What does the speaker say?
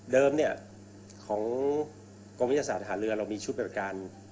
เดิมเนี่ยของกรมวิทยาศาสตร์อาหารเรือเรามีชุดเป็นประการ